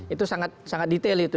itu sangat detail itu